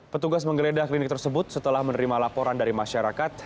petugas menggeledah klinik tersebut setelah menerima laporan dari masyarakat